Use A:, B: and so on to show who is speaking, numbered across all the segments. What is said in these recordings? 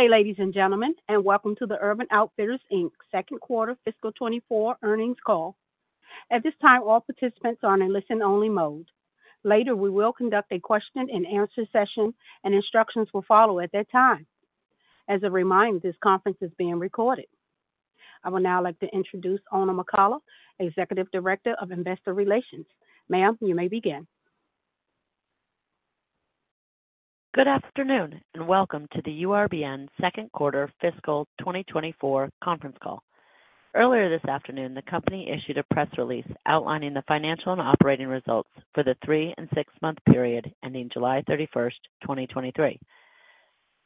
A: Good day, ladies and gentlemen, welcome to the Urban Outfitters, Inc. Second Quarter Fiscal 2024 Earnings Call. At this time, all participants are in listen-only mode. Later, we will conduct a question-and-answer session, and instructions will follow at that time. As a reminder, this conference is being recorded. I would now like to introduce Oona McCullough, Executive Director of Investor Relations. Ma'am, you may begin.
B: Good afternoon, welcome to the URBN Second Quarter Fiscal 2024 conference call. Earlier this afternoon, the company issued a press release outlining the financial and operating results for the three and six-month period ending July 31st, 2023.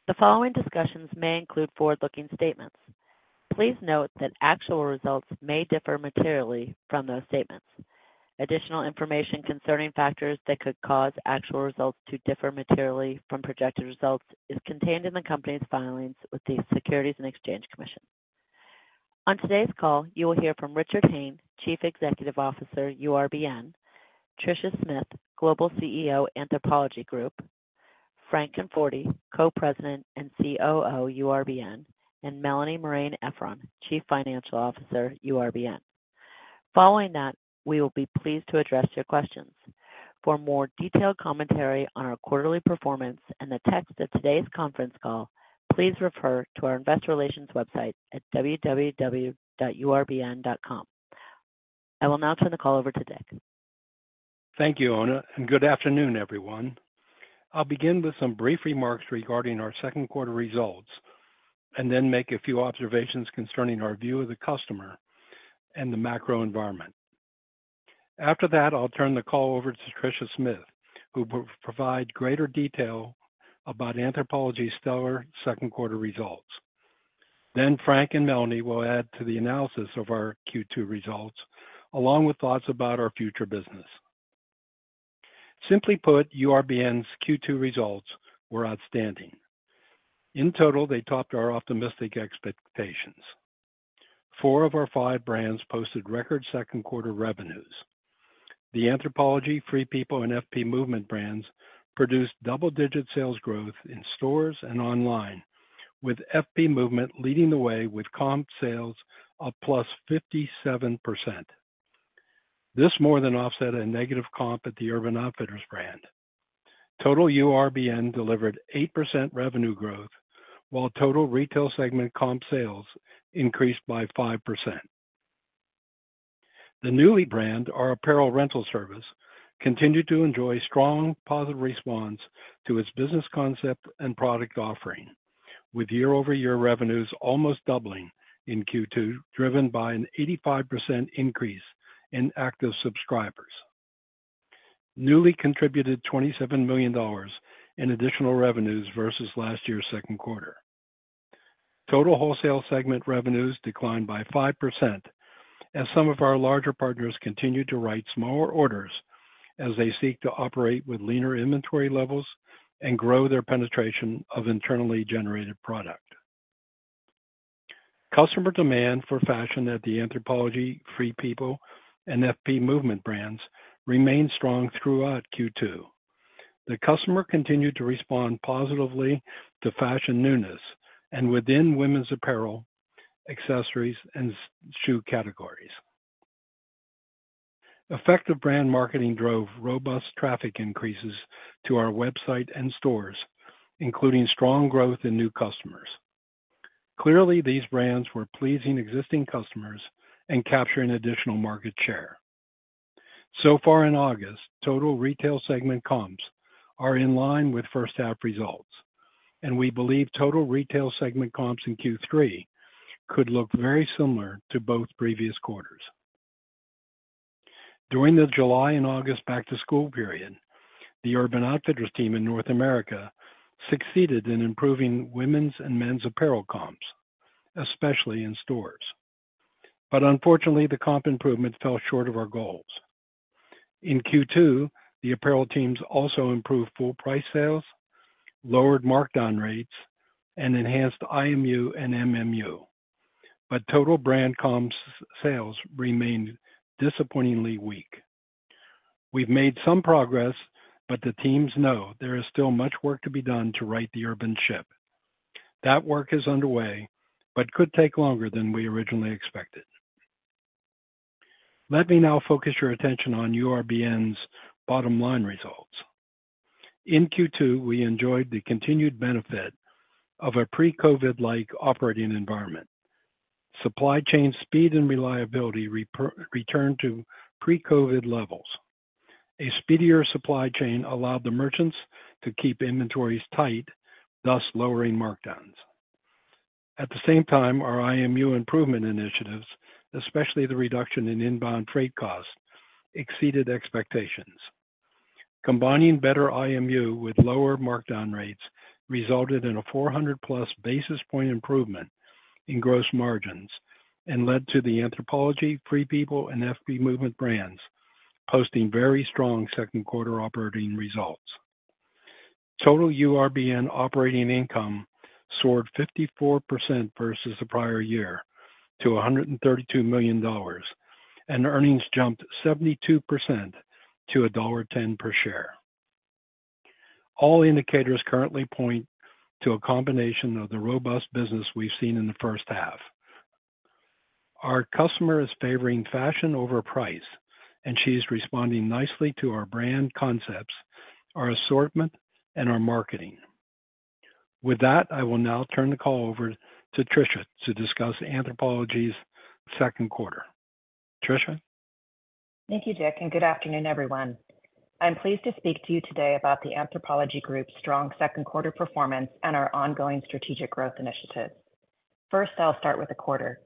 B: The following discussions may include forward-looking statements. Please note that actual results may differ materially from those statements. Additional information concerning factors that could cause actual results to differ materially from projected results is contained in the company's filings with the Securities and Exchange Commission. On today's call, you will hear from Richard Hayne, Chief Executive Officer, URBN; Tricia Smith, Global CEO, Anthropologie Group; Frank Conforti, Co-President and COO, URBN, and Melanie Marein-Efron, Chief Financial Officer, URBN. Following that, we will be pleased to address your questions. For more detailed commentary on our quarterly performance and the text of today's conference call, please refer to our investor relations website at www.urbn.com. I will now turn the call over to Richard.
C: Thank you, Oona. Good afternoon, everyone. I'll begin with some brief remarks regarding our second quarter results, and then make a few observations concerning our view of the customer and the macro environment. After that, I'll turn the call over to Tricia Smith, who will provide greater detail about Anthropologie's stellar second quarter results. Frank and Melanie will add to the analysis of our Q2 results, along with thoughts about our future business. Simply put, URBN's Q2 results were outstanding. In total, they topped our optimistic expectations. Four of our five brands posted record second quarter revenues. The Anthropologie, Free People, and FP Movement brands produced double-digit sales growth in stores and online, with FP Movement leading the way with comp sales of +57%. This more than offset a negative comp at the Urban Outfitters brand. Total URBN delivered 8% revenue growth, while total retail segment comp sales increased by 5%. The Nuuly brand, our apparel rental service, continued to enjoy strong positive response to its business concept and product offering, with year-over-year revenues almost doubling in Q2, driven by an 85% increase in active subscribers. Nuuly contributed $27 million in additional revenues versus last year's second quarter. Total wholesale segment revenues declined by 5%, as some of our larger partners continued to write smaller orders as they seek to operate with leaner inventory levels and grow their penetration of internally generated product. Customer demand for fashion at the Anthropologie, Free People, and FP Movement brands remained strong throughout Q2. The customer continued to respond positively to fashion newness and within women's apparel, accessories, and shoe categories. Effective brand marketing drove robust traffic increases to our website and stores, including strong growth in new customers. Clearly, these brands were pleasing existing customers and capturing additional market share. So far in August, total retail segment comps are in line with first half results, and we believe total retail segment comps in Q3 could look very similar to both previous quarters. During the July and August back-to-school period, the Urban Outfitters team in North America succeeded in improving women's and men's apparel comps, especially in stores. Unfortunately, the comp improvements fell short of our goals. In Q2, the apparel teams also improved full price sales, lowered markdown rates, and enhanced IMU and MMU, but total brand comps sales remained disappointingly weak. We've made some progress, but the teams know there is still much work to be done to right the URBN ship. That work is underway but could take longer than we originally expected. Let me now focus your attention on URBN's bottom line results. In Q2, we enjoyed the continued benefit of a pre-COVID-like operating environment. Supply chain speed and reliability returned to pre-COVID levels. A speedier supply chain allowed the merchants to keep inventories tight, thus lowering markdowns. At the same time, our IMU improvement initiatives, especially the reduction in inbound freight costs, exceeded expectations. Combining better IMU with lower markdown rates resulted in a 400+ basis point improvement in gross margins and led to the Anthropologie, Free People, and FP Movement brands posting very strong second quarter operating results. Total URBN operating income soared 54% versus the prior year to $132 million, and earnings jumped 72% to $1.10 per share. All indicators currently point to a combination of the robust business we've seen in the first half. Our customer is favoring fashion over price, and she's responding nicely to our brand concepts, our assortment, and our marketing. With that, I will now turn the call over to Tricia to discuss Anthropologie's second quarter. Tricia?
D: Thank you, Richard, and good afternoon, everyone. I'm pleased to speak to you today about the Anthropologie Group's strong second quarter performance and our ongoing strategic growth initiatives. First, I'll start with the quarter.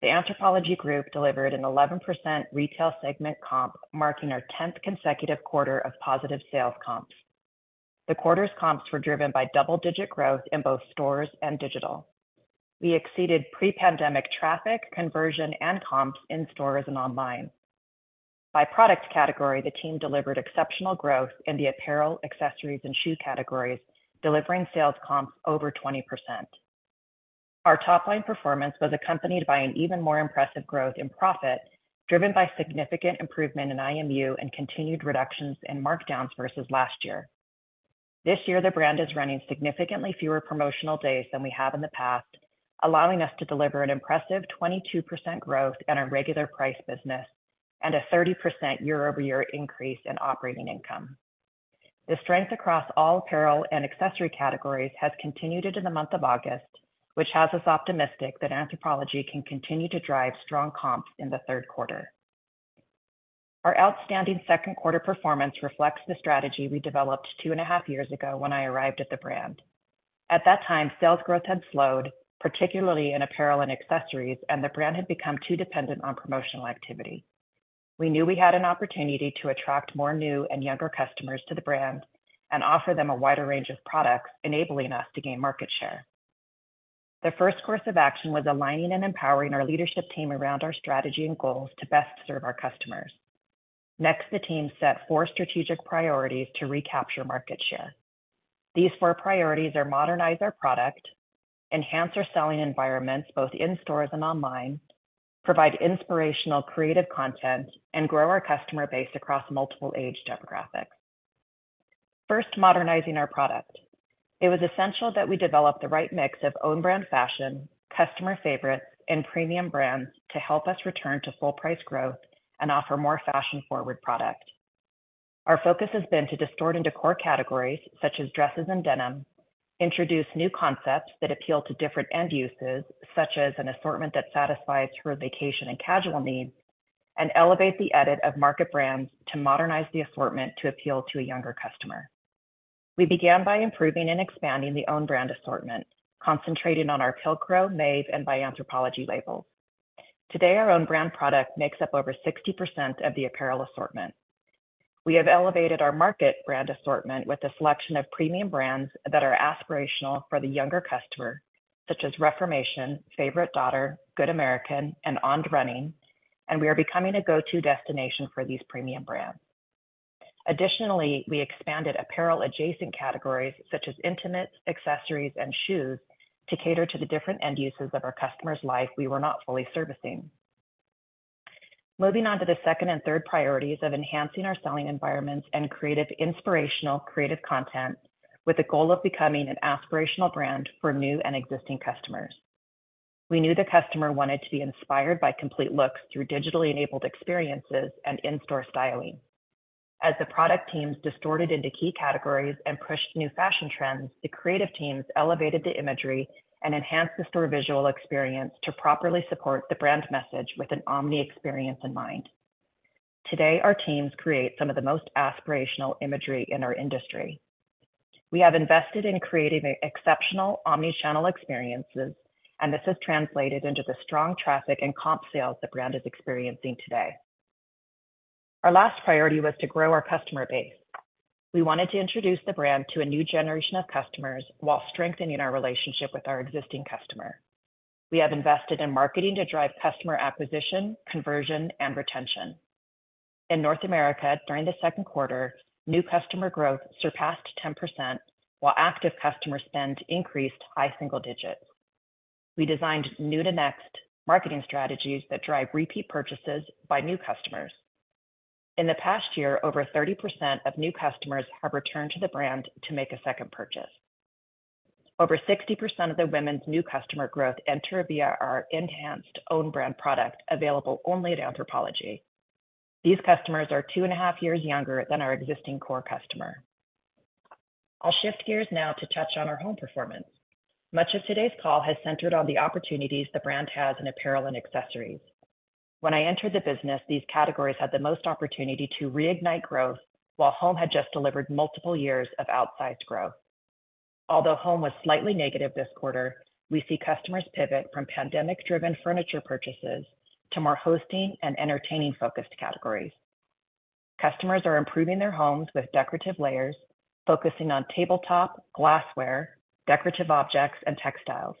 D: The Anthropologie Group delivered an 11% retail segment comp, marking our 10th consecutive quarter of positive sales comps. The quarter's comps were driven by double-digit growth in both stores and digital. We exceeded pre-pandemic traffic, conversion, and comps in stores and online. By product category, the team delivered exceptional growth in the apparel, accessories, and shoe categories, delivering sales comps over 20%. Our top-line performance was accompanied by an even more impressive growth in profit, driven by significant improvement in IMU and continued reductions in markdowns versus last year. This year, the brand is running significantly fewer promotional days than we have in the past, allowing us to deliver an impressive 22% growth in our regular price business and a 30% year-over-year increase in operating income. The strength across all apparel and accessory categories has continued into the month of August, which has us optimistic that Anthropologie can continue to drive strong comps in the third quarter. Our outstanding second quarter performance reflects the strategy we developed two and a half years ago when I arrived at the brand. At that time, sales growth had slowed, particularly in apparel and accessories, and the brand had become too dependent on promotional activity. We knew we had an opportunity to attract more new and younger customers to the brand and offer them a wider range of products, enabling us to gain market share. The first course of action was aligning and empowering our leadership team around our strategy and goals to best serve our customers. Next, the team set four strategic priorities to recapture market share. These four priorities are: modernize our product, enhance our selling environments, both in stores and online, provide inspirational, creative content, and grow our customer base across multiple age demographics. First, modernizing our product. It was essential that we develop the right mix of own brand fashion, customer favorites, and premium brands to help us return to full price growth and offer more fashion-forward product. Our focus has been to distort into core categories such as dresses and denim, introduce new concepts that appeal to different end uses, such as an assortment that satisfies her vacation and casual needs, and elevate the edit of market brands to modernize the assortment to appeal to a younger customer. We began by improving and expanding the own brand assortment, concentrating on our Pilcro, Maeve, and By Anthropologie labels. Today, our own brand product makes up over 60% of the apparel assortment. We have elevated our market brand assortment with a selection of premium brands that are aspirational for the younger customer, such as Reformation, Favorite Daughter, Good American, and On Running, and we are becoming a go-to destination for these premium brands. Additionally, we expanded apparel-adjacent categories such as intimates, accessories, and shoes to cater to the different end uses of our customers' life we were not fully servicing. Moving on to the second and third priorities of enhancing our selling environments and inspirational, creative content with the goal of becoming an aspirational brand for new and existing customers. We knew the customer wanted to be inspired by complete looks through digitally enabled experiences and in-store styling. As the product teams distorted into key categories and pushed new fashion trends, the creative teams elevated the imagery and enhanced the store visual experience to properly support the brand's message with an omni-experience in mind. Today, our teams create some of the most aspirational imagery in our industry. We have invested in creating exceptional omni-channel experiences, and this has translated into the strong traffic and comp sales the brand is experiencing today. Our last priority was to grow our customer base. We wanted to introduce the brand to a new generation of customers while strengthening our relationship with our existing customer. We have invested in marketing to drive customer acquisition, conversion, and retention. In North America, during the second quarter, new customer growth surpassed 10%, while active customer spend increased high single digits. We designed new-to-next marketing strategies that drive repeat purchases by new customers. In the past year, over 30% of new customers have returned to the brand to make a second purchase. Over 60% of the women's new customer growth enter via our enhanced own brand product, available only at Anthropologie. These customers are 2.5 years younger than our existing core customer. I'll shift gears now to touch on our home performance. Much of today's call has centered on the opportunities the brand has in apparel and accessories. When I entered the business, these categories had the most opportunity to reignite growth, while home had just delivered multiple years of outsized growth. Although home was slightly negative this quarter, we see customers pivot from pandemic-driven furniture purchases to more hosting and entertaining-focused categories. Customers are improving their homes with decorative layers, focusing on tabletop, glassware, decorative objects, and textiles.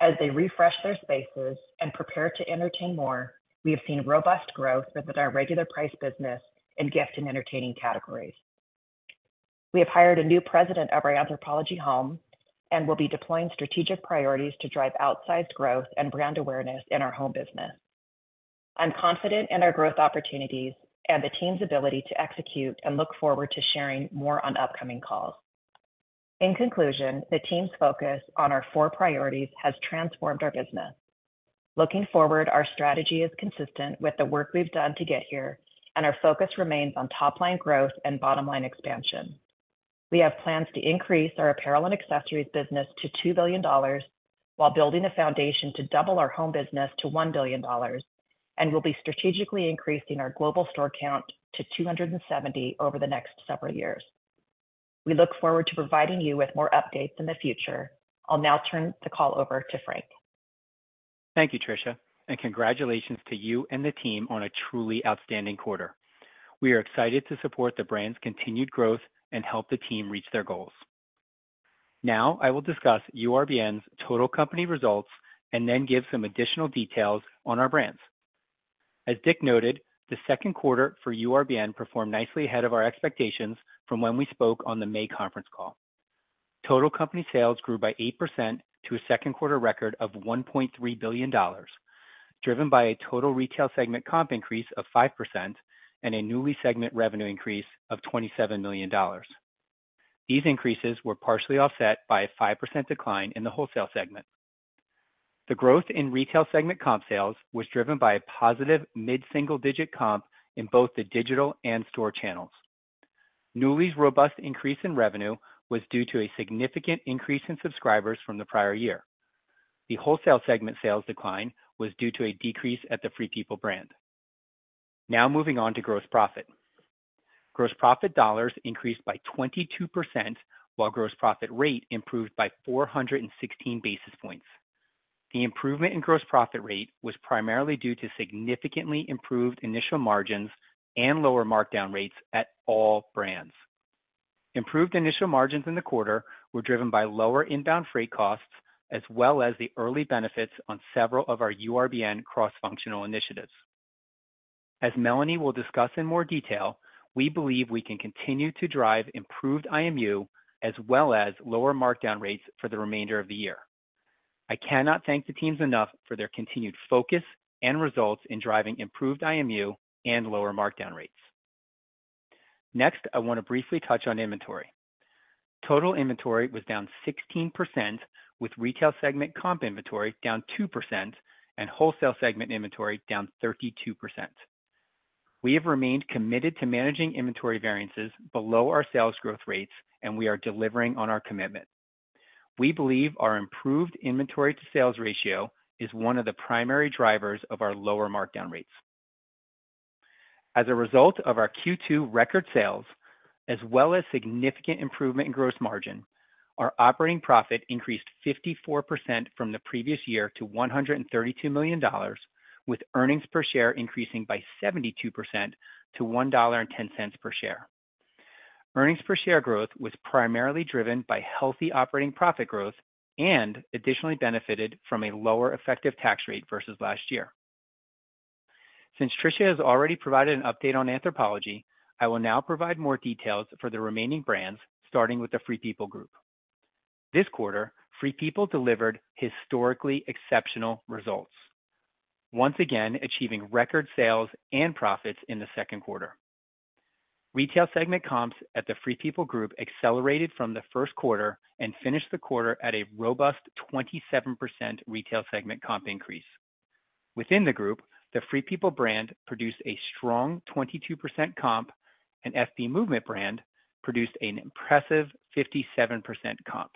D: As they refresh their spaces and prepare to entertain more, we have seen robust growth within our regular price business in gift and entertaining categories. We have hired a new president of Anthropologie Home and will be deploying strategic priorities to drive outsized growth and brand awareness in our home business. I'm confident in our growth opportunities and the team's ability to execute, and look forward to sharing more on upcoming calls. In conclusion, the team's focus on our four priorities has transformed our business. Looking forward, our strategy is consistent with the work we've done to get here, and our focus remains on top line growth and bottom line expansion. We have plans to increase our apparel and accessories business to $2 billion, while building a foundation to double our home business to $1 billion. We'll be strategically increasing our global store count to 270 over the next several years. We look forward to providing you with more updates in the future. I'll now turn the call over to Frank.
E: Thank you, Tricia. Congratulations to you and the team on a truly outstanding quarter. We are excited to support the brand's continued growth and help the team reach their goals. Now, I will discuss URBN's total company results and then give some additional details on our brands. As Richard noted, the second quarter for URBN performed nicely ahead of our expectations from when we spoke on the May conference call. Total company sales grew by 8% to a second quarter record of $1.3 billion, driven by a total retail segment comp increase of 5% and a Nuuly segment revenue increase of $27 million. These increases were partially offset by a 5% decline in the wholesale segment. The growth in retail segment comp sales was driven by a positive mid-single digit comp in both the digital and store channels. Nuuly's robust increase in revenue was due to a significant increase in subscribers from the prior year. The wholesale segment sales decline was due to a decrease at the Free People brand. Moving on to gross profit. Gross profit dollars increased by 22%, while gross profit rate improved by 416 basis points. The improvement in gross profit rate was primarily due to significantly improved initial margins and lower markdown rates at all brands. Improved initial margins in the quarter were driven by lower inbound freight costs, as well as the early benefits on several of our URBN cross-functional initiatives. As Melanie will discuss in more detail, we believe we can continue to drive improved IMU as well as lower markdown rates for the remainder of the year. I cannot thank the teams enough for their continued focus and results in driving improved IMU and lower markdown rates. I want to briefly touch on inventory. Total inventory was down 16%, with retail segment comp inventory down 2% and wholesale segment inventory down 32%. We have remained committed to managing inventory variances below our sales growth rates, and we are delivering on our commitment. We believe our improved inventory to sales ratio is one of the primary drivers of our lower markdown rates. As a result of our Q2 record sales, as well as significant improvement in gross margin, our operating profit increased 54% from the previous year to $132 million, with earnings per share increasing by 72% to $1.10 per share. Earnings per share growth was primarily driven by healthy operating profit growth and additionally benefited from a lower effective tax rate versus last year. Since Tricia has already provided an update on Anthropologie, I will now provide more details for the remaining brands, starting with the Free People Group. This quarter, Free People delivered historically exceptional results, once again achieving record sales and profits in the second quarter. Retail segment comps at the Free People Group accelerated from the first quarter and finished the quarter at a robust 27% retail segment comp increase. Within the group, the Free People brand produced a strong 22% comp, and FP Movement brand produced an impressive 57% comp.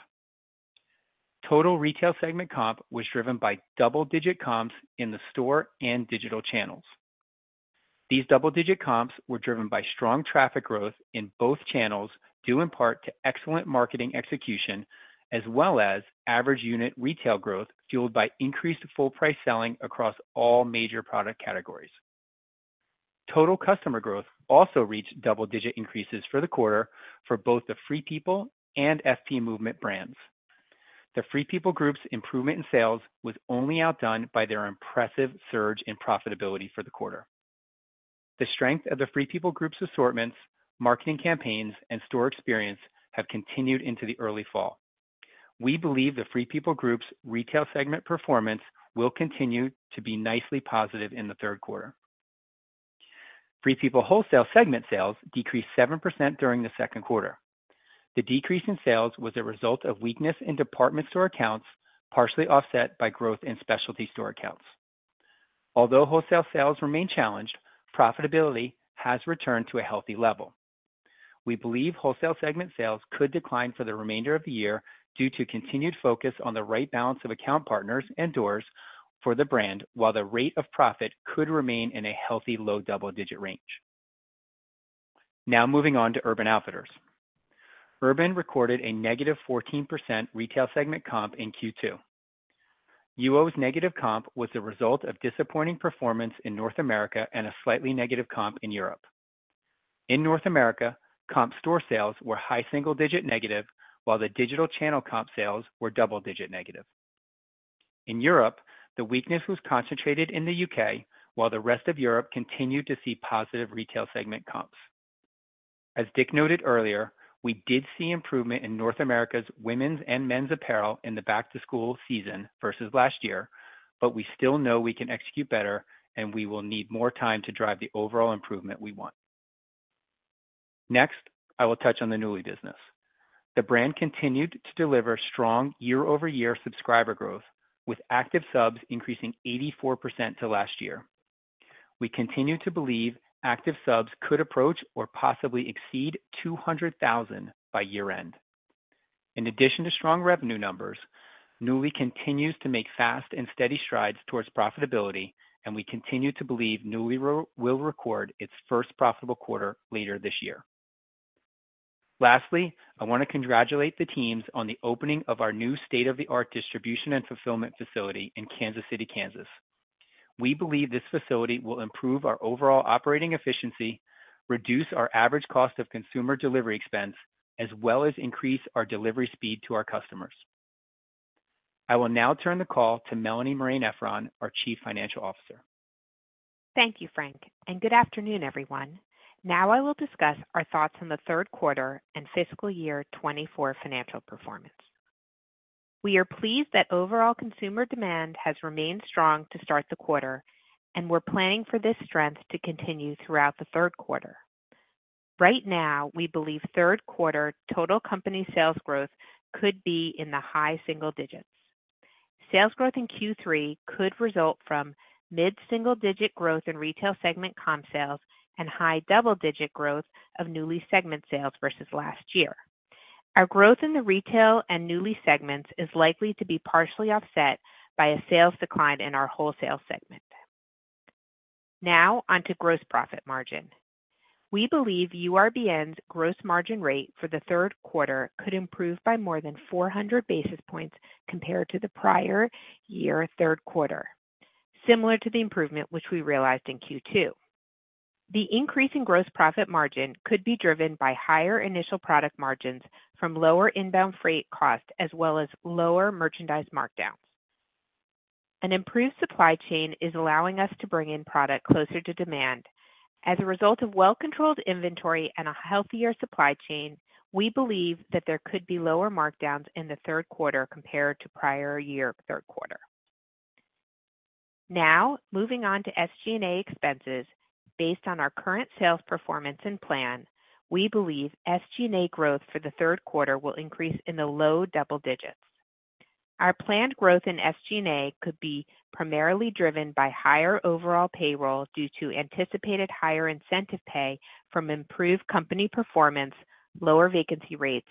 E: Total retail segment comp was driven by double-digit comps in the store and digital channels. These double-digit comps were driven by strong traffic growth in both channels, due in part to excellent marketing execution as well as average unit retail growth, fueled by increased full price selling across all major product categories. Total customer growth also reached double-digit increases for the quarter for both the Free People and FP Movement brands. The Free People Group's improvement in sales was only outdone by their impressive surge in profitability for the quarter. The strength of the Free People Group's assortments, marketing campaigns, and store experience have continued into the early fall. We believe the Free People Group's retail segment performance will continue to be nicely positive in the third quarter. Free People wholesale segment sales decreased 7% during the second quarter. The decrease in sales was a result of weakness in department store accounts, partially offset by growth in specialty store accounts. Although wholesale sales remain challenged, profitability has returned to a healthy level. We believe wholesale segment sales could decline for the remainder of the year due to continued focus on the right balance of account partners and doors for the brand, while the rate of profit could remain in a healthy low double-digit range. Moving on to Urban Outfitters. Urban recorded a negative 14% retail segment comp in Q2. U.O.'s negative comp was a result of disappointing performance in North America and a slightly negative comp in Europe. In North America, comp store sales were high single-digit negative, while the digital channel comp sales were double-digit negative. In Europe, the weakness was concentrated in the UK, while the rest of Europe continued to see positive retail segment comps. As Richard noted earlier, we did see improvement in North America's women's and men's apparel in the back-to-school season versus last year, but we still know we can execute better, and we will need more time to drive the overall improvement we want. Next, I will touch on the Nuuly business. The brand continued to deliver strong year-over-year subscriber growth, with active subs increasing 84% to last year. We continue to believe active subs could approach or possibly exceed 200,000 by year-end. In addition to strong revenue numbers, Nuuly continues to make fast and steady strides towards profitability, and we continue to believe Nuuly will record its first profitable quarter later this year. Lastly, I want to congratulate the teams on the opening of our new state-of-the-art distribution and fulfillment facility in Kansas City, Kansas. We believe this facility will improve our overall operating efficiency, reduce our average cost of consumer delivery expense, as well as increase our delivery speed to our customers. I will now turn the call to Melanie Marein-Efron, our Chief Financial Officer.
F: Thank you, Frank, and good afternoon, everyone. I will discuss our thoughts on the third quarter and fiscal year 2024 financial performance. We are pleased that overall consumer demand has remained strong to start the quarter, and we're planning for this strength to continue throughout the third quarter. Right now, we believe third quarter total company sales growth could be in the high single digits. Sales growth in Q3 could result from mid-single-digit growth in retail segment comp sales and high double-digit growth of Nuuly segment sales versus last year. Our growth in the retail and Nuuly segments is likely to be partially offset by a sales decline in our wholesale segment. On to gross profit margin. We believe URBN's gross margin rate for the third quarter could improve by more than 400 basis points compared to the prior year third quarter, similar to the improvement which we realized in Q2. The increase in gross profit margin could be driven by higher initial product margins from lower inbound freight costs, as well as lower merchandise markdowns. An improved supply chain is allowing us to bring in product closer to demand. As a result of well-controlled inventory and a healthier supply chain, we believe that there could be lower markdowns in the third quarter compared to prior year third quarter. Now, moving on to SG&A expenses. Based on our current sales performance and plan, we believe SG&A growth for the third quarter will increase in the low double digits. Our planned growth in SG&A could be primarily driven by higher overall payroll due to anticipated higher incentive pay from improved company performance, lower vacancy rates,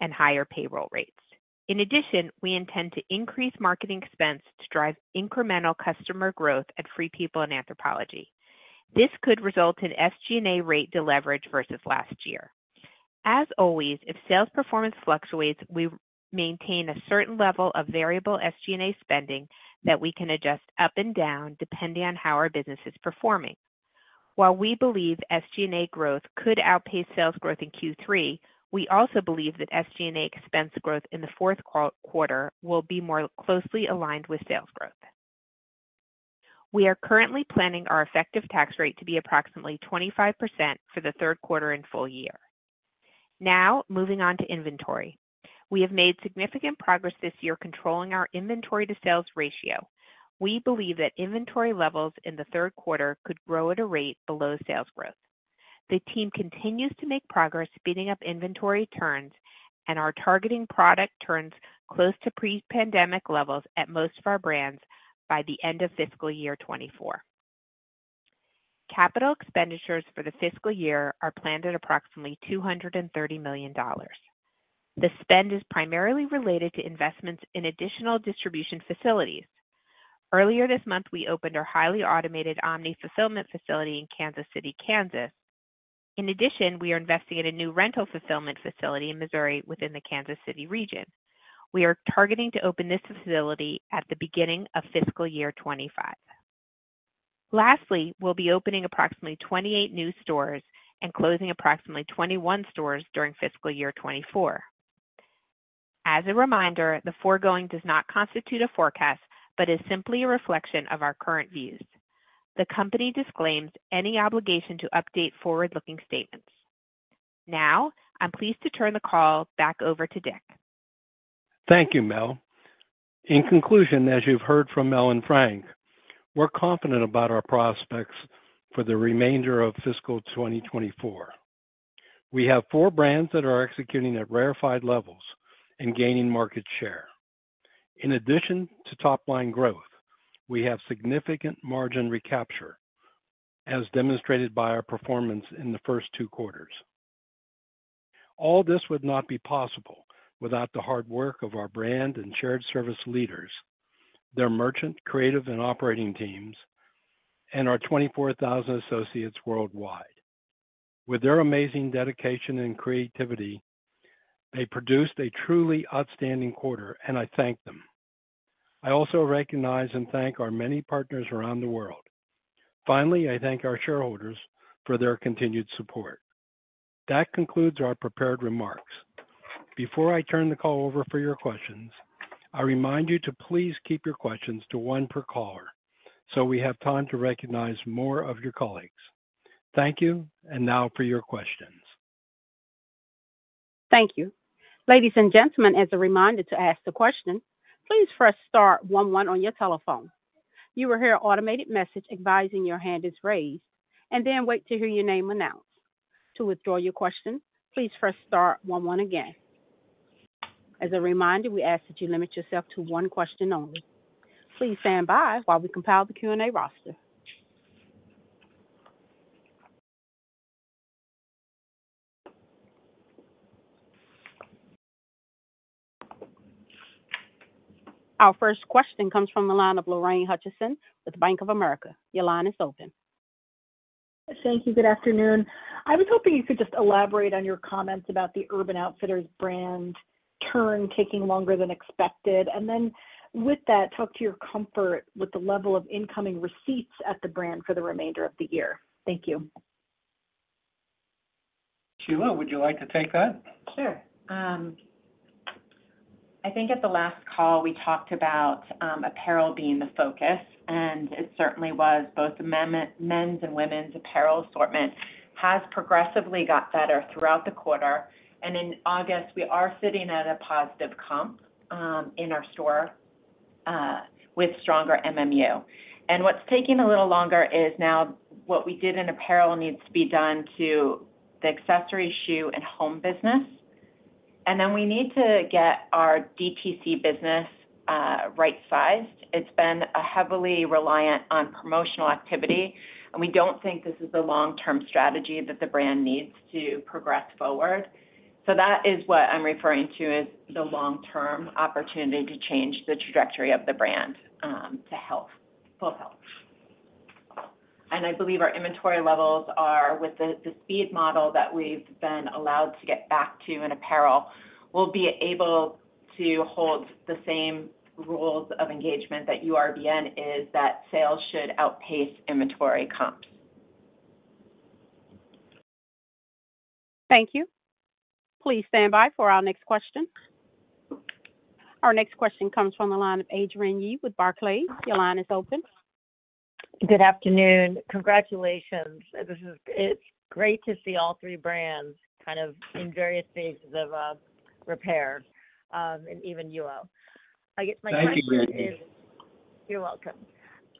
F: and higher payroll rates. In addition, we intend to increase marketing expense to drive incremental customer growth at Free People and Anthropologie. This could result in SG&A rate deleverage versus last year. As always, if sales performance fluctuates, we maintain a certain level of variable SG&A spending that we can adjust up and down, depending on how our business is performing. While we believe SG&A growth could outpace sales growth in Q3, we also believe that SG&A expense growth in the fourth quarter will be more closely aligned with sales growth. We are currently planning our effective tax rate to be approximately 25% for the third quarter and full year. Now, moving on to inventory. We have made significant progress this year controlling our inventory-to-sales ratio. We believe that inventory levels in the third quarter could grow at a rate below sales growth. The team continues to make progress, speeding up inventory turns, and are targeting product turns close to pre-pandemic levels at most of our brands by the end of fiscal year 2024. Capital expenditures for the fiscal year are planned at approximately $230 million. The spend is primarily related to investments in additional distribution facilities. Earlier this month, we opened our highly automated omni-fulfillment facility in Kansas City, Kansas. We are investing in a new rental fulfillment facility in Missouri within the Kansas City region. We are targeting to open this facility at the beginning of fiscal year 2025. Lastly, we'll be opening approximately 28 new stores and closing approximately 21 stores during fiscal year 2024. As a reminder, the foregoing does not constitute a forecast, but is simply a reflection of our current views. The company disclaims any obligation to update forward-looking statements. Now, I'm pleased to turn the call back over to Richard.
C: Thank you, Mel. In conclusion, as you've heard from Mel and Frank, we're confident about our prospects for the remainder of fiscal 2024. We have 4 brands that are executing at rarefied levels and gaining market share. In addition to top-line growth, we have significant margin recapture, as demonstrated by our performance in the first 2 quarters. All this would not be possible without the hard work of our brand and shared service leaders, their merchant, creative, and operating teams, and our 24,000 associates worldwide. With their amazing dedication and creativity, they produced a truly outstanding quarter, and I thank them. I also recognize and thank our many partners around the world. Finally, I thank our shareholders for their continued support. That concludes our prepared remarks. Before I turn the call over for your questions, I remind you to please keep your questions to one per caller, so we have time to recognize more of your colleagues. Thank you, and now for your questions.
A: Thank you. Ladies and gentlemen, as a reminder to ask the question, please press star one one on your telephone. You will hear an automated message advising your hand is raised, and then wait to hear your name announced. To withdraw your question, please press star one one again. As a reminder, we ask that you limit yourself to one question only. Please stand by while we compile the Q&A roster. Our first question comes from the line of Lorraine Hutchinson with Bank of America. Your line is open.
G: Thank you. Good afternoon. I was hoping you could just elaborate on your comments about the Urban Outfitters brand turn taking longer than expected. With that, talk to your comfort with the level of incoming receipts at the brand for the remainder of the year. Thank you.
E: Sheila, would you like to take that?
H: Sure. I think at the last call, we talked about apparel being the focus, and it certainly was. Both men's and women's apparel assortment has progressively got better throughout the quarter, and in August, we are sitting at a positive comp in our store with stronger MMU. What's taking a little longer is now what we did in apparel needs to be done to the accessory, shoe and home business. Then we need to get our DTC business right-sized. It's been a heavily reliant on promotional activity, and we don't think this is the long-term strategy that the brand needs to progress forward. That is what I'm referring to as the long-term opportunity to change the trajectory of the brand to health, full health. I believe our inventory levels are, with the speed model that we've been allowed to get back to in apparel, we'll be able to hold the same rules of engagement that URBN is, that sales should outpace inventory comps.
A: Thank you. Please stand by for our next question. Our next question comes from the line of Adrienne Yih with Barclays. Your line is open.
I: Good afternoon. Congratulations. It's great to see all three brands kind of in various phases of repair and even UO. I guess my question is-
E: Thank you, Adrienne.
I: You're welcome.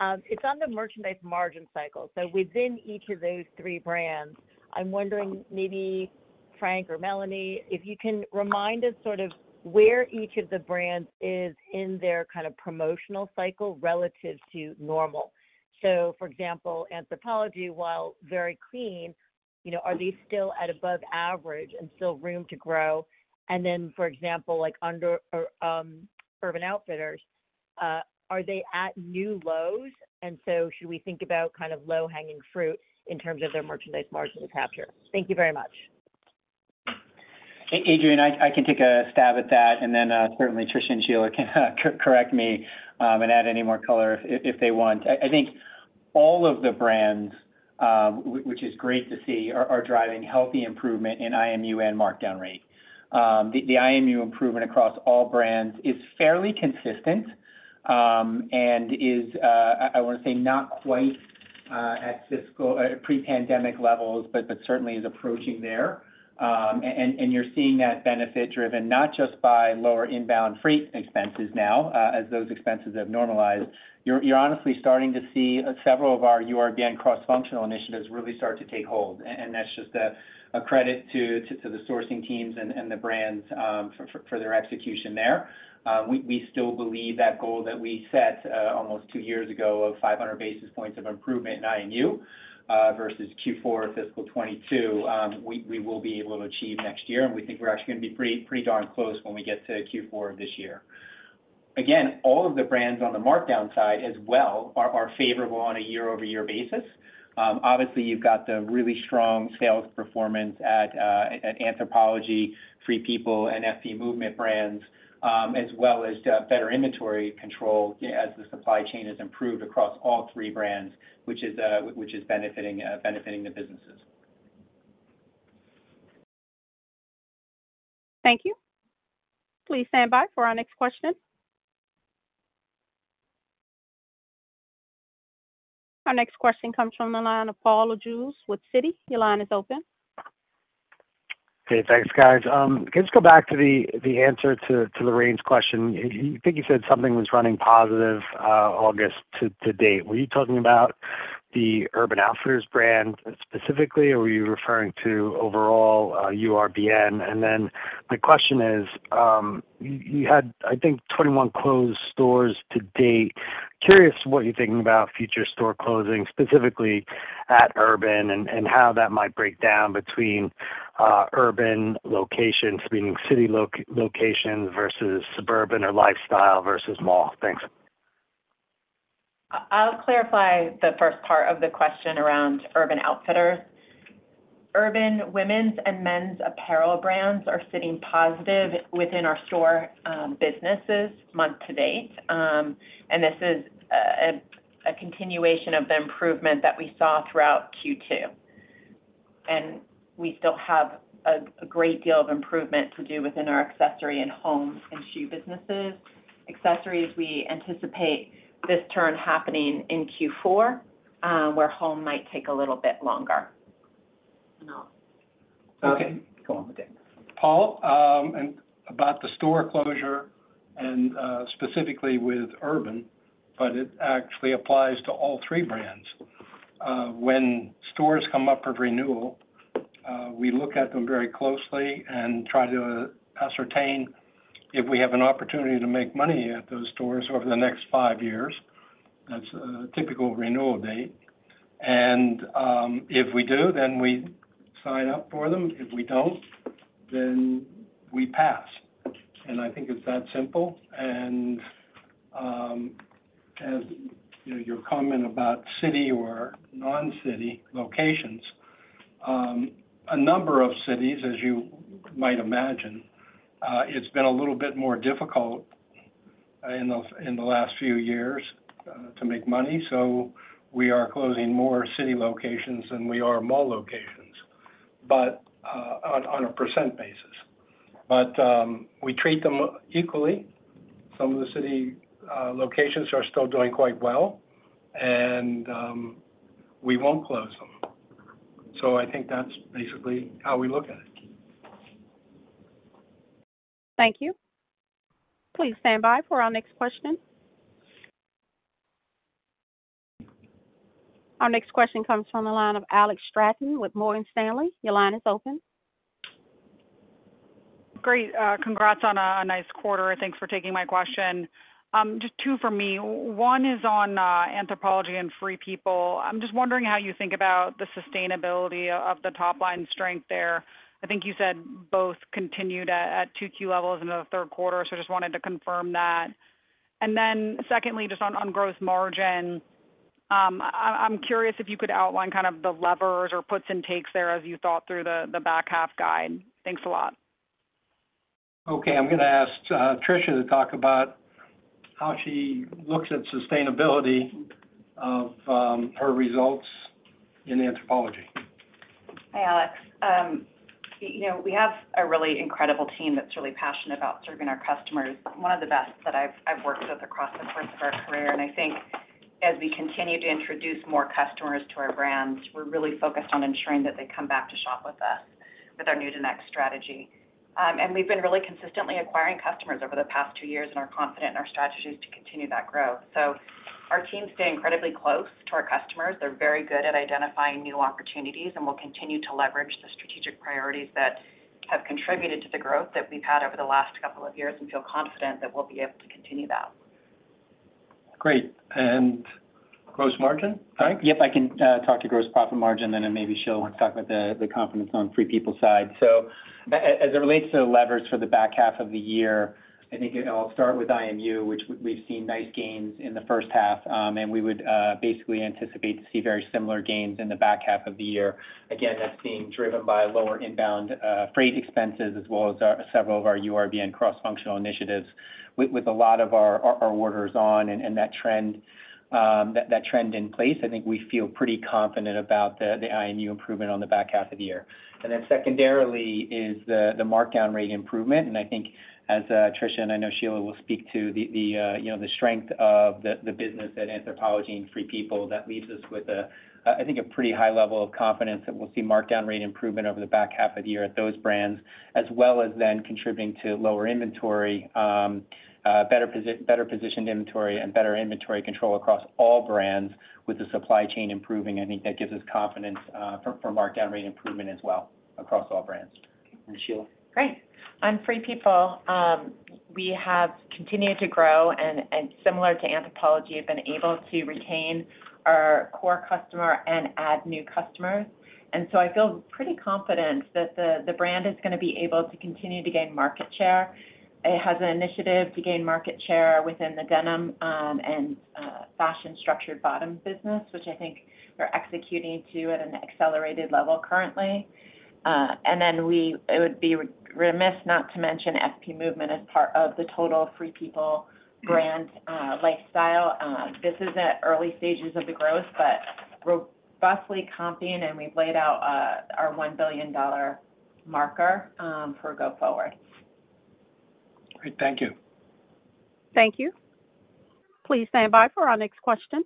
I: It's on the merchandise margin cycle. Within each of those three brands, I'm wondering, maybe Frank or Melanie, if you can remind us sort of where each of the brands is in their kind of promotional cycle relative to normal. For example, Anthropologie, while very clean, you know, are they still at above average and still room to grow? For example, like, under Urban Outfitters, are they at new lows? Should we think about kind of low-hanging fruit in terms of their merchandise margin to capture? Thank you very much.
E: Adrienne, I, I can take a stab at that, and then, certainly Tricia and Sheila can correct me, and add any more color if, if they want. I, I think all of the brands, which is great to see, are, are driving healthy improvement in IMU and markdown rate. The, the IMU improvement across all brands is fairly consistent, and is, I, I wanna say not quite at pre-pandemic levels, but, but certainly is approaching there. and you're, you're seeing that benefit driven not just by lower inbound freight expenses now, as those expenses have normalized. You're, you're honestly starting to see several of our URBN cross-functional initiatives really start to take hold, and that's just a, a credit to, to the sourcing teams and, and the brands, for, for their execution there. We, we still believe that goal that we set, almost 2 years ago of 500 basis points of improvement in IMU, versus Q4 fiscal 2022, we, we will be able to achieve next year, and we think we're actually gonna be pretty, pretty darn close when we get to Q4 this year. Again, all of the brands on the markdown side as well, are, are favorable on a year-over-year basis. Obviously, you've got the really strong sales performance at Anthropologie, Free People and FP Movement brands, as well as the better inventory control as the supply chain has improved across all 3 brands, which is benefiting, benefiting the businesses.
A: Thank you. Please stand by for our next question. Our next question comes from the line of Paul Lejuez with Citi. Your line is open.
J: Hey, thanks, guys. Can you just go back to the answer to Lorraine's question? I think you said something was running positive, August to date. Were you talking about the Urban Outfitters brand specifically, or were you referring to overall URBN? My question is, you had, I think, 21 closed stores to date. Curious what you're thinking about future store closings, specifically at Urban, and how that might break down between Urban locations, meaning city locations versus suburban or lifestyle versus mall? Thanks.
H: I'll clarify the first part of the question around Urban Outfitters. Urban women's and men's apparel brands are sitting positive within our store businesses month to date. this is a, a continuation of the improvement that we saw throughout Q2. we still have a, a great deal of improvement to do within our accessory and home and shoe businesses. Accessories, we anticipate this turn happening in Q4, where home might take a little bit longer. I'll-.
E: Okay, go on, Richard.
C: Paul, about the store closure and specifically with Urban, but it actually applies to all 3 brands. When stores come up for renewal, we look at them very closely and try to ascertain if we have an opportunity to make money at those stores over the next 5 years. That's a typical renewal date. If we do, then we sign up for them. If we don't, then we pass. I think it's that simple. As, you know, your comment about city or non-city locations, a number of cities, as you might imagine, it's been a little bit more difficult in the, in the last few years, to make money. We are closing more city locations than we are mall locations, but on, on a % basis. We treat them equally. Some of the city, locations are still doing quite well, and, we won't close them. I think that's basically how we look at it.
A: Thank you. Please stand by for our next question. Our next question comes from the line of Alex Straton with Morgan Stanley. Your line is open.
K: Great. Congrats on a nice quarter, thanks for taking my question. Just two for me. One is on Anthropologie and Free People. I'm just wondering how you think about the sustainability of the top-line strength there. I think you said both continued at two Q levels in the third quarter, just wanted to confirm that. Secondly, just on growth margin, I'm curious if you could outline kind of the levers or puts and takes there as you thought through the back half guide. Thanks a lot.
C: Okay, I'm gonna ask Tricia to talk about how she looks at sustainability of her results in Anthropologie.
D: Hi, Alex. you know, we have a really incredible team that's really passionate about serving our customers, one of the best that I've, I've worked with across the course of our career. I think as we continue to introduce more customers to our brands, we're really focused on ensuring that they come back to shop with us, with our new to next strategy. we've been really consistently acquiring customers over the past two years and are confident in our strategies to continue that growth. Our teams stay incredibly close to our customers. They're very good at identifying new opportunities, and we'll continue to leverage the strategic priorities that have contributed to the growth that we've had over the last couple of years and feel confident that we'll be able to continue that.
K: Great.
C: Gross margin, Frank?
E: Yep, I can talk to gross profit margin, and then maybe Sheila wants to talk about the confidence on Free People's side. As it relates to the levers for the back half of the year, I think I'll start with IMU, which we've seen nice gains in the first half. We would basically anticipate to see very similar gains in the back half of the year. Again, that's being driven by lower inbound freight expenses, as well as our, several of our URBN cross-functional initiatives. With, with a lot of our, our, our orders on and, and that trend, that, that trend in place, I think we feel pretty confident about the IMU improvement on the back half of the year. Then secondarily is the markdown rate improvement, and I think as Tricia, and I know Sheila will speak to, the, you know, the strength of the business at Anthropologie and Free People, that leaves us with a, I think a pretty high level of confidence that we'll see markdown rate improvement over the back half of the year at those brands, as well as then contributing to lower inventory, better positioned inventory and better inventory control across all brands. With the supply chain improving, I think that gives us confidence for markdown rate improvement as well, across all brands.
C: Sheila?
H: Great. On Free People, we have continued to grow, and, and similar to Anthropologie, have been able to retain our core customer and add new customers. I feel pretty confident that the, the brand is gonna be able to continue to gain market share. It has an initiative to gain market share within the denim, and fashion structured bottom business, which I think we're executing to at an accelerated level currently. We-- it would be re- remiss not to mention FP Movement as part of the total Free People brand lifestyle. This is at early stages of the growth, but robustly comping, and we've laid out our $1 billion marker for go forward.
K: Great. Thank you.
A: Thank you. Please stand by for our next question.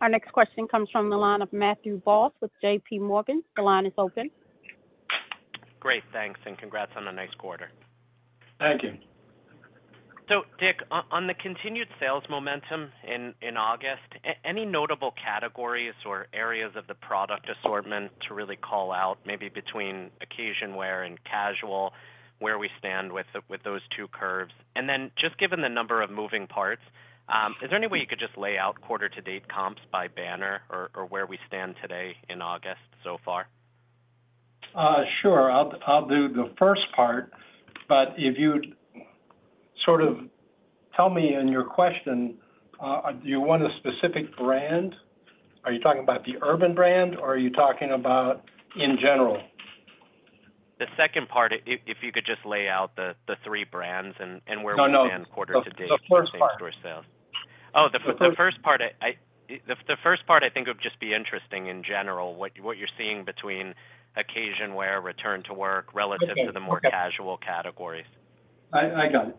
A: Our next question comes from the line of Matthew Boss with JPMorgan. The line is open.
L: Great, thanks, and congrats on a nice quarter.
C: Thank you.
L: Richard, on the continued sales momentum in, in August, any notable categories or areas of the product assortment to really call out, maybe between occasion wear and casual, where we stand with those two curves? Then just given the number of moving parts, is there any way you could just lay out quarter to date comps by banner or, or where we stand today in August so far?
C: Sure. I'll do the first part, but if you'd sort of tell me in your question, do you want a specific brand? Are you talking about the Urban brand, or are you talking about in general?...
L: The second part, if you could just lay out the three brands and where we stand quarter to date?
C: No, no. The first part.
L: The first part, the first part I think would just be interesting in general, what you're seeing between occasion wear, return to work, relative to the more casual categories.
C: I, I got it.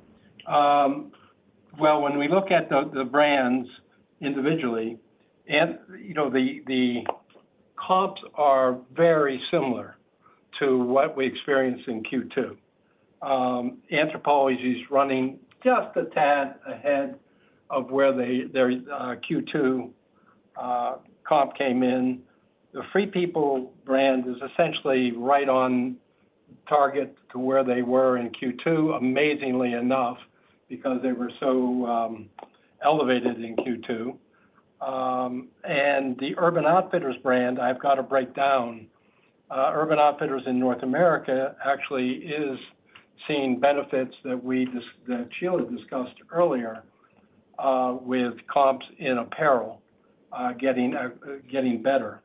C: Well, when we look at the brands individually, you know, the comps are very similar to what we experienced in Q2. Anthropologie is running just a tad ahead of where their Q2 comp came in. The Free People brand is essentially right on target to where they were in Q2, amazingly enough, because they were so elevated in Q2. The Urban Outfitters brand, I've got to break down. Urban Outfitters in North America actually is seeing benefits that we that Sheila discussed earlier, with comps in apparel getting getting better.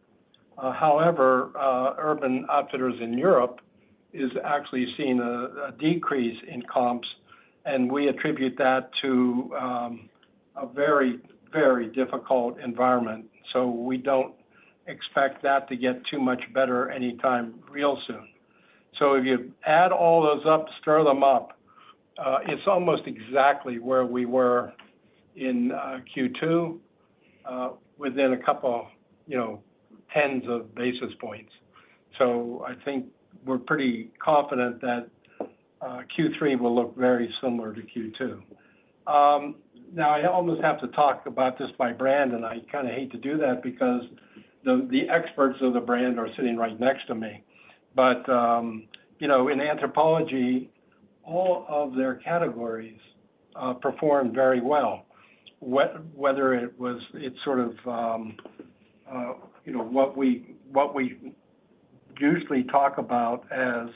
C: However, Urban Outfitters in Europe is actually seeing a decrease in comps, and we attribute that to a very, very difficult environment. We don't expect that to get too much better anytime real soon. If you add all those up, stir them up, it's almost exactly where we were in Q2, within a couple, you know, tens of basis points. I think we're pretty confident that Q3 will look very similar to Q2. Now, I almost have to talk about this by brand, and I kind of hate to do that because the experts of the brand are sitting right next to me. You know, in Anthropologie, all of their categories performed very well. Whether it was, it's sort of, you know, what we usually talk about as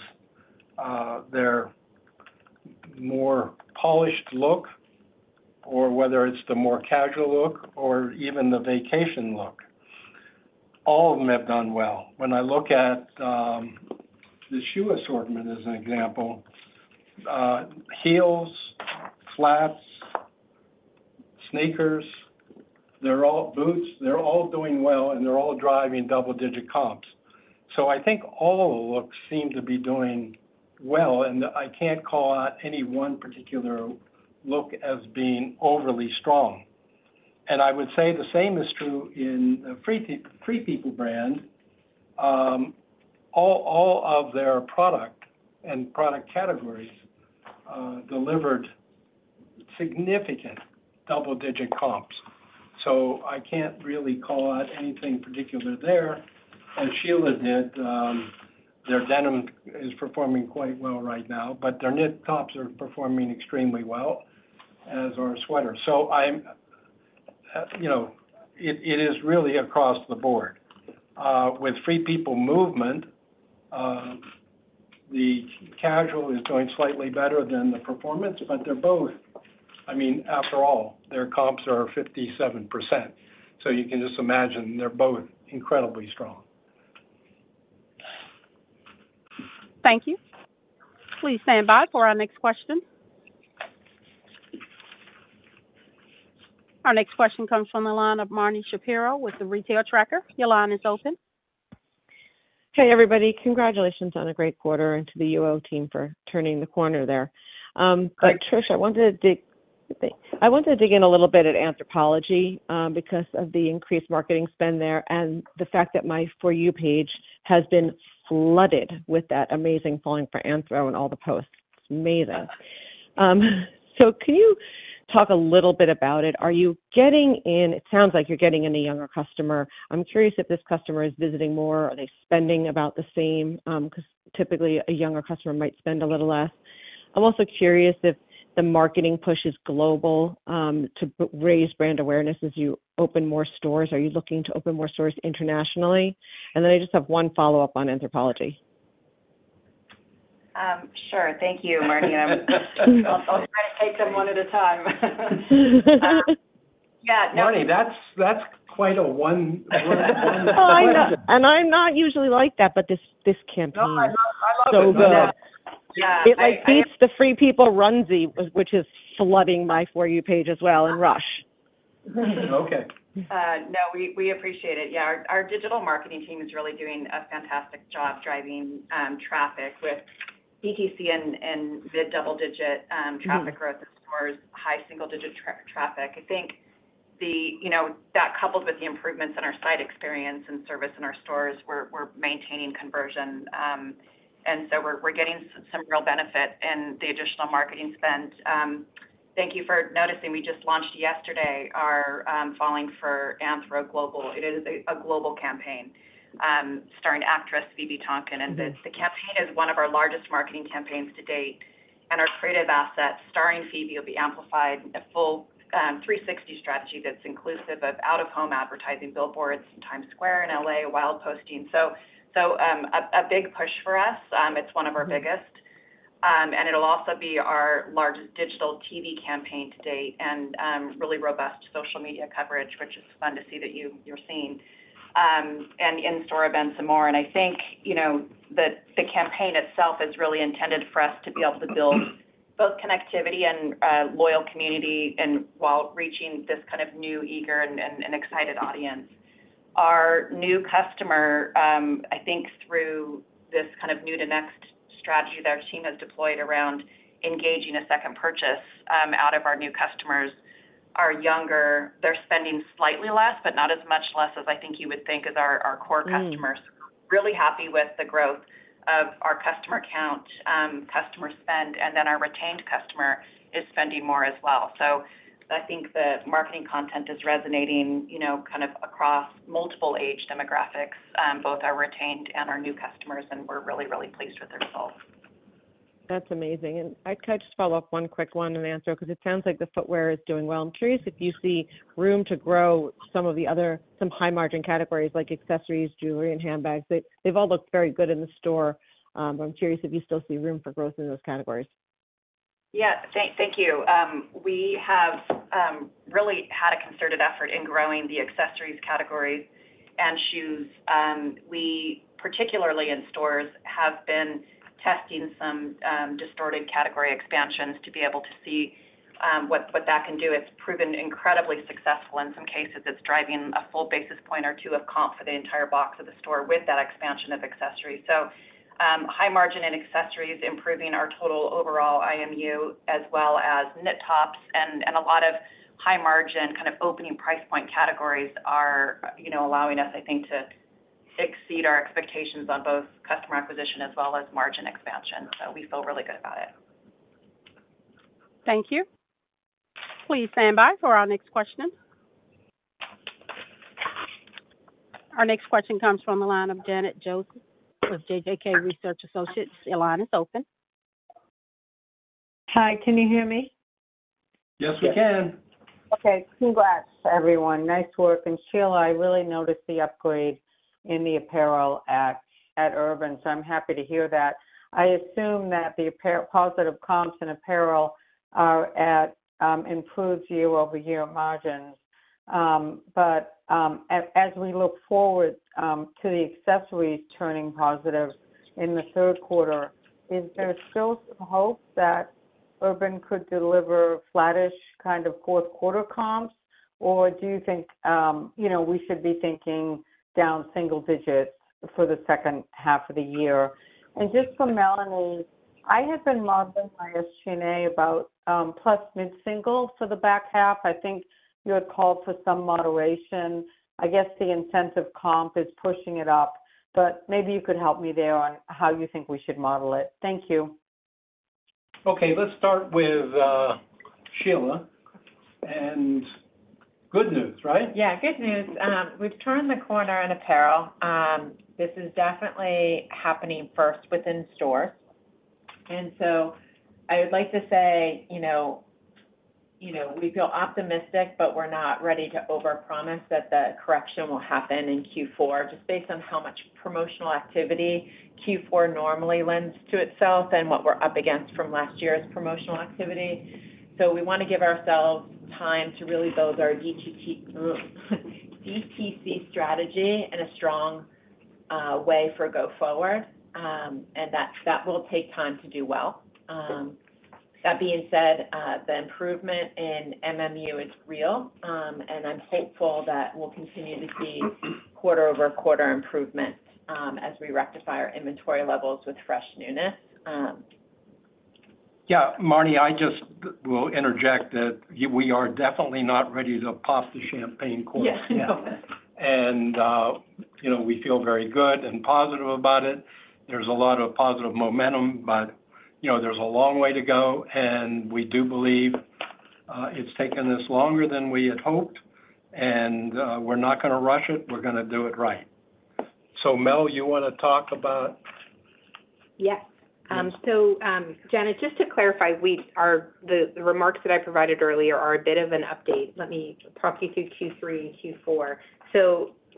C: their more polished look, or whether it's the more casual look or even the vacation look. All of them have done well. When I look at the shoe assortment, as an example, heels, flats, sneakers, they're all... boots, they're all doing well, and they're all driving double-digit comps. I think all the looks seem to be doing well, and I can't call out any one particular look as being overly strong. I would say the same is true in Free People, Free People brand. All, all of their product and product categories delivered significant double-digit comps, so I can't really call out anything particular there. As Sheila did, their denim is performing quite well right now, but their knit tops are performing extremely well, as are sweaters. I'm, you know, it, it is really across the board. With Free People Movement, the casual is doing slightly better than the performance, but they're both... I mean, after all, their comps are 57%, so you can just imagine they're both incredibly strong.
A: Thank you. Please stand by for our next question. Our next question comes from the line of Marni Shapiro with The Retail Tracker. Your line is open.
M: Hey, everybody. Congratulations on a great quarter, and to the UO team for turning the corner there. Trish, I wanted to dig in a little bit at Anthropologie, because of the increased marketing spend there and the fact that my For You page has been flooded with that amazing Falling for Anthro and all the posts. It's amazing. Can you talk a little bit about it? It sounds like you're getting in a younger customer. I'm curious if this customer is visiting more. Are they spending about the same? Because typically, a younger customer might spend a little less. I'm also curious if the marketing push is global, to raise brand awareness as you open more stores. Are you looking to open more stores internationally? I just have one follow-up on Anthropologie.
H: Sure. Thank you, Marni. I'll try to take them one at a time.
C: Marni, that's, that's quite a one, one question.
M: Oh, I know. I'm not usually like that, but this, this campaign-
C: No, I love it....
M: is so good. Yeah. It beats the Free People onesie, which is flooding my For You page as well, and Rush.
C: Okay.
H: No, we, we appreciate it. Yeah, our, our digital marketing team is really doing a fantastic job driving traffic with DTC and mid-double-digit traffic growth and stores, high-single-digit traffic. I think the, you know, that coupled with the improvements in our site experience and service in our stores, we're, we're maintaining conversion. So we're, we're getting some real benefit in the additional marketing spend. Thank you for noticing. We just launched yesterday, our Falling for Anthro global. It is a global campaign starring actress Phoebe Tonkin. The campaign is one of our largest marketing campaigns to date, and our creative assets, starring Phoebe, will be amplified, a full 360 strategy that's inclusive of out-of-home advertising, billboards in Times Square, in L.A., wild posting. So, a big push for us. It's one of our biggest. And it'll also be our largest digital TV campaign to date, and really robust social media coverage, which is fun to see that you're seeing. In-store events some more. I think, you know, the, the campaign itself is really intended for us to be able to build both connectivity and loyal community, and while reaching this kind of new, eager, and excited audience. Our new customer, I think through this kind of new to next strategy that our team has deployed around engaging a second purchase, out of our new customers, are younger. They're spending slightly less, but not as much less as I think you would think as our, our core customers. Really happy with the growth of our customer count, customer spend, and then our retained customer is spending more as well. I think the marketing content is resonating, you know, kind of across multiple age demographics, both our retained and our new customers, and we're really, really pleased with the results.
M: That's amazing. I can I just follow up one quick one and answer, because it sounds like the footwear is doing well. I'm curious if you see room to grow some of the other, some high margin categories, like accessories, jewelry, and handbags. They've all looked very good in the store. But I'm curious if you still see room for growth in those categories.
H: Yeah. Thank, thank you. We have really had a concerted effort in growing the accessories categories and shoes. We, particularly in stores, have been testing some distorted category expansions to be able to see what, what that can do. It's proven incredibly successful. In some cases, it's driving a full basis point or 2 of comp for the entire box of the store with that expansion of accessories. High margin in accessories, improving our total overall IMU, as well as knit tops and, and a lot of high margin, kind of opening price point categories are, you know, allowing us, I think, to exceed our expectations on both customer acquisition as well as margin expansion. We feel really good about it.
A: Thank you. Please stand by for our next question. Our next question comes from the line of Janet Kloppenburg with JJK Research Associates. Your line is open.
N: Hi, can you hear me?
C: Yes, we can.
N: Okay, congrats, everyone. Nice work, and Sheila, I really noticed the upgrade in the apparel at Urban, so I'm happy to hear that. I assume that the positive comps in apparel are at, improves year-over-year margins. As we look forward to the accessories turning positive in the third quarter, is there still some hope that Urban could deliver flattish kind of fourth quarter comps? Do you think, you know, we should be thinking down single digits for the second half of the year? Just for Melanie, I have been modeling my SG&A about + mid-single for the back half. I think you had called for some moderation. I guess the incentive comp is pushing it up, but maybe you could help me there on how you think we should model it. Thank you.
C: Okay, let's start with, Sheila, and good news, right?
H: Yeah, good news. We've turned the corner in apparel. This is definitely happening first within stores. I would like to say, you know, you know, we feel optimistic, but we're not ready to overpromise that the correction will happen in Q4, just based on how much promotional activity Q4 normally lends to itself and what we're up against from last year's promotional activity. We wanna give ourselves time to really build our DTC, DTC strategy in a strong way for go forward, and that, that will take time to do well. That being said, the improvement in MMU is real, and I'm hopeful that we'll continue to see quarter-over-quarter improvements as we rectify our inventory levels with fresh newness.
C: Yeah, Marni, I just will interject that we are definitely not ready to pop the champagne cork.
N: Yes.
C: You know, we feel very good and positive about it. There's a lot of positive momentum, but, you know, there's a long way to go, and we do believe, it's taken us longer than we had hoped, and we're not gonna rush it. We're gonna do it right. So Mel, you wanna talk about?
F: Yes. Janet, just to clarify, the, the remarks that I provided earlier are a bit of an update. Let me talk you through Q3 and Q4.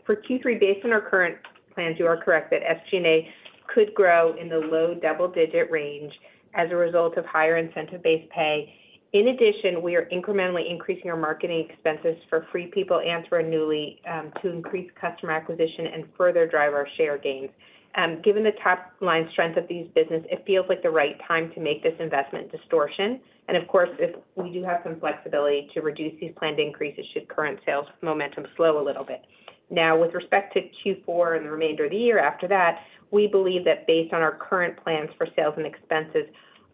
F: For Q3, based on our current plans, you are correct that SG&A could grow in the low double-digit range as a result of higher incentive-based pay. In addition, we are incrementally increasing our marketing expenses for Free People and for Nuuly to increase customer acquisition and further drive our share gains. Given the top line strength of these business, it feels like the right time to make this investment distortion. Of course, if we do have some flexibility to reduce these planned increases, should current sales momentum slow a little bit. With respect to Q4 and the remainder of the year after that, we believe that based on our current plans for sales and expenses,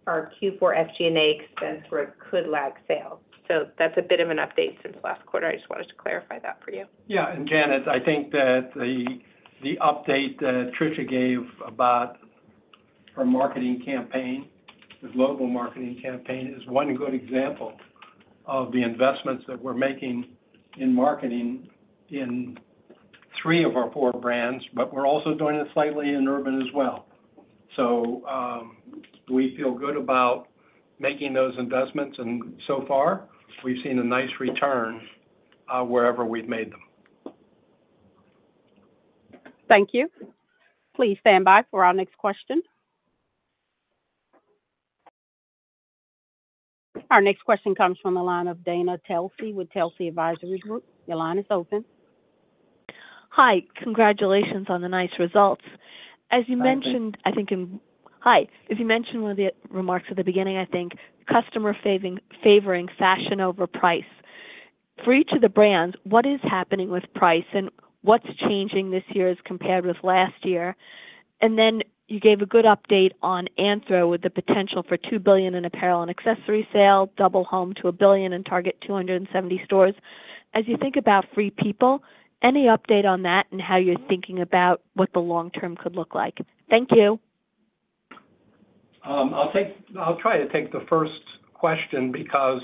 F: our Q4 SG&A expense rate could lag sales. That's a bit of an update since last quarter. I just wanted to clarify that for you.
C: Yeah. Janet, I think that the, the update that Tricia gave about her marketing campaign, this global marketing campaign, is one good example of the investments that we're making in marketing in three of our four brands, but we're also doing it slightly in Urban as well. We feel good about making those investments, and so far, we've seen a nice return, wherever we've made them.
A: Thank you. Please stand by for our next question. Our next question comes from the line of Dana Telsey with Telsey Advisory Group. Your line is open.
O: Hi, congratulations on the nice results. As you mentioned, I think
A: Hi, there.
O: Hi. As you mentioned one of the remarks at the beginning, I think, customer favoring, favoring fashion over price. For each of the brands, what is happening with price, and what's changing this year as compared with last year? Then you gave a good update on Anthro, with the potential for $2 billion in apparel and accessory sales, double home to $1 billion, and target 270 stores. As you think about Free People, any update on that and how you're thinking about what the long term could look like? Thank you.
C: I'll try to take the first question because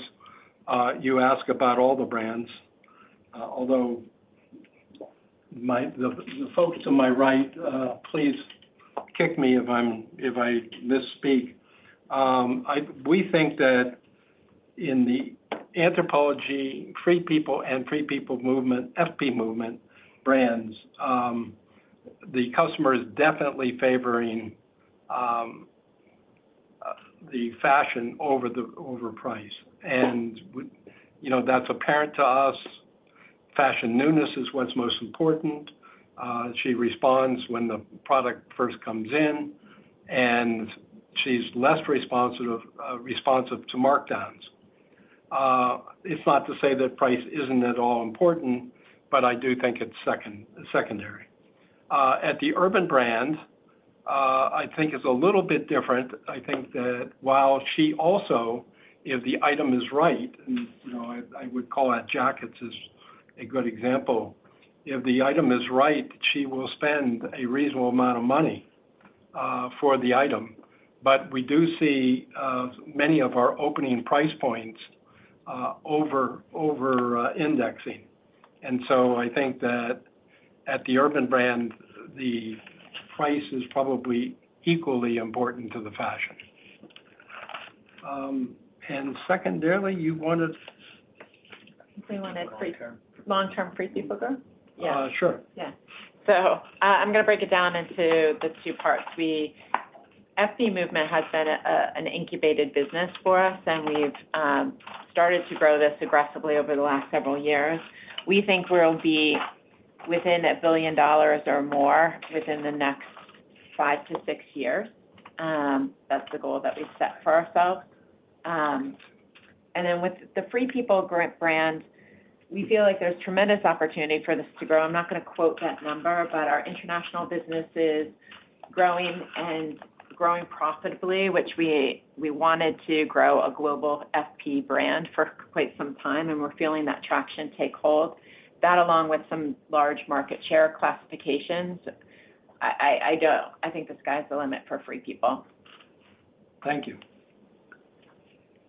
C: you ask about all the brands, although my-- the, the folks to my right, please kick me if I'm, if I misspeak. I, we think that in the Anthropologie, Free People and FP Movement brands, the customer is definitely favoring the fashion over the, over price. You know, that's apparent to us. Fashion newness is what's most important. She responds when the product first comes in, and she's less responsive, responsive to markdowns. It's not to say that price isn't at all important, I do think it's second, secondary. At the Urban brand, I think it's a little bit different. I think that while she also, if the item is right, and, you know, I, I would call out jackets as a good example. If the item is right, she will spend a reasonable amount of money for the item. We do see many of our opening price points over, over indexing. I think that at the Urban brand, the price is probably equally important to the fashion. Secondarily, you wanted...
O: I think they wanted free-
E: Long term.
O: Long term Free People growth? Yeah.
C: Sure.
F: Yeah. I'm gonna break it down into the two parts. FP Movement has been an incubated business for us, and we've started to grow this aggressively over the last several years. We think we'll be within $1 billion or more within the next 5-6 years. That's the goal that we've set for ourselves. Then with the Free People brand, we feel like there's tremendous opportunity for this to grow. I'm not gonna quote that number, but our international business is growing and growing profitably, which we, we wanted to grow a global FP brand for quite some time, and we're feeling that traction take hold. That, along with some large market share classifications, I don't think the sky's the limit for Free People.
C: Thank you.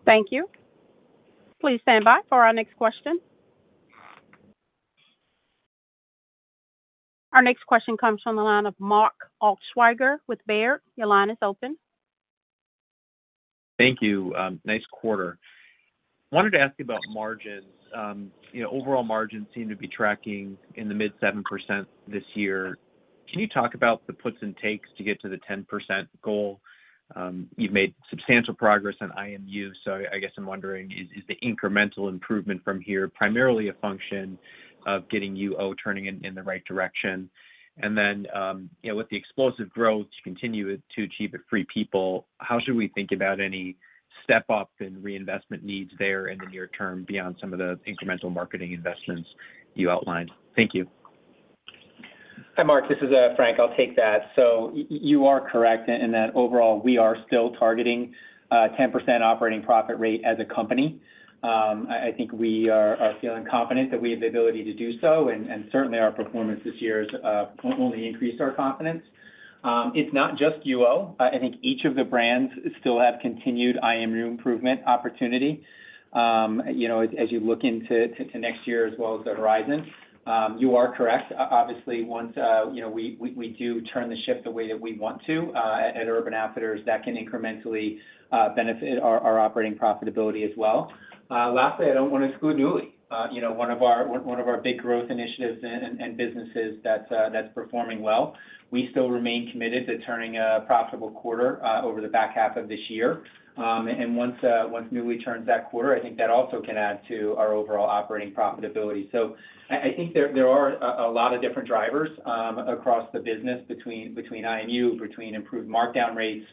A: Thank you. Please stand by for our next question. Our next question comes from the line of Mark Altschwager with Baird. Your line is open.
P: Thank you. nice quarter. Wanted to ask you about margins. you know, overall margins seem to be tracking in the mid-7% this year. Can you talk about the puts and takes to get to the 10% goal? you've made substantial progress on IMU, so I, I guess I'm wondering, is, is the incremental improvement from here primarily a function of getting UO turning in, in the right direction? Then, you know, with the explosive growth you continue to achieve at Free People, how should we think about any step-up and reinvestment needs there in the near term, beyond some of the incremental marketing investments you outlined? Thank you.
E: Hi, Mark. This is Frank, I'll take that. You are correct in that overall, we are still targeting a 10% operating profit rate as a company. I think we are feeling confident that we have the ability to do so, and certainly our performance this year has only increased our confidence. It's not just UO. I think each of the brands still have continued IMU improvement opportunity. You know, as you look into next year, as well as the horizon, you are correct. Obviously, once, you know, we do turn the ship the way that we want to, at Urban Outfitters, that can incrementally benefit our operating profitability as well. Lastly, I don't want to exclude Nuuly, you know, one of our, one of our big growth initiatives and, and, and businesses that's performing well. We still remain committed to turning a profitable quarter over the back half of this year. Once Nuuly turns that quarter, I think that also can add to our overall operating profitability. I, I think there, there are a, a lot of different drivers across the business, between, between IMU, between improved markdown rates,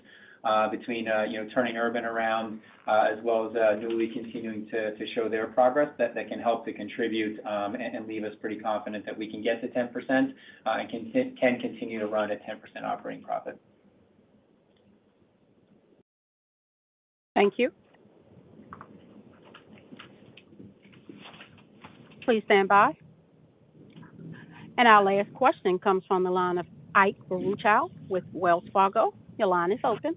E: between, you know, turning URBN around, as well as Nuuly continuing to, to show their progress, that they can help to contribute, and, and leave us pretty confident that we can get to 10%, and can continue to run at 10% operating profit.
A: Thank you. Please stand by. Our last question comes from the line of Ike Boruchow with Wells Fargo. Your line is open.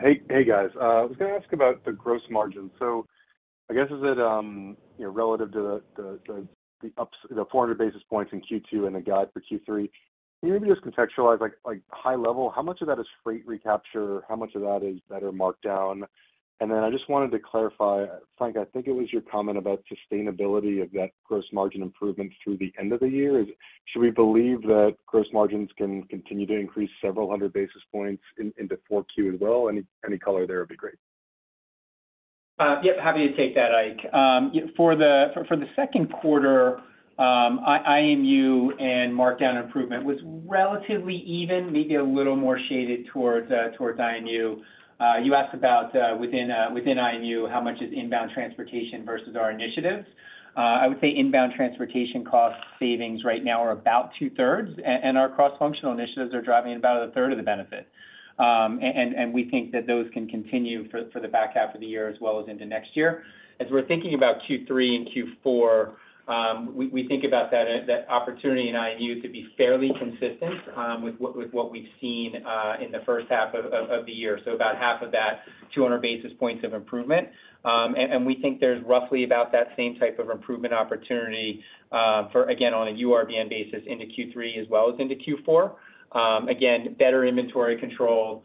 Q: Hey, hey, guys. I was gonna ask about the gross margin. I guess, is it, you know, relative to the, the, the 400 basis points in Q2 and the guide for Q3? Can you just contextualize, like high level, how much of that is freight recapture? How much of that is better markdown? Then I just wanted to clarify, Frank, I think it was your comment about sustainability of that gross margin improvement through the end of the year. Should we believe that gross margins can continue to increase several hundred basis points into 4Q as well? Any color there would be great.
E: Yep, happy to take that, Ike. For the Q2, IMU and markdown improvement was relatively even, maybe a little more shaded towards IMU. You asked about within IMU, how much is inbound transportation versus our initiatives. I would say inbound transportation cost savings right now are about two-thirds, and our cross-functional initiatives are driving about a third of the benefit. And we think that those can continue for the back half of the year as well as into next year. As we're thinking about Q3 and Q4, we think about that opportunity in IMU to be fairly consistent with what we've seen in the first half of the year, so about half of that 200 basis points of improvement. And we think there's roughly about that same type of improvement opportunity, for, again, on a URBN basis into Q3 as well as into Q4. Again, better inventory control.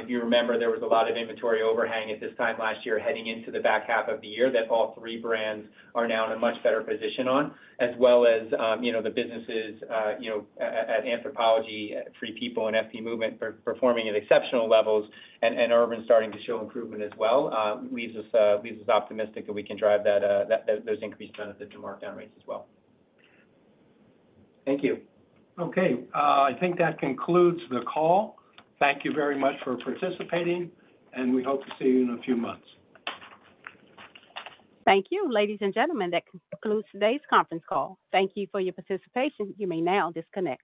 E: If you remember, there was a lot of inventory overhang at this time last year heading into the back half of the year, that all three brands are now in a much better position on, as well as, you know, the businesses, you know, at Anthropologie, Free People, and FP Movement are performing at exceptional levels, and Urban starting to show improvement as well, leaves us, leaves us optimistic that we can drive that, that, those increased benefits and markdown rates as well. Thank you.
C: Okay. I think that concludes the call. Thank you very much for participating, and we hope to see you in a few months.
A: Thank you, ladies and gentlemen, that concludes today's conference call. Thank you for your participation. You may now disconnect.